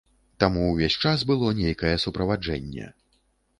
Таму ўвесь час было нейкае суправаджэнне.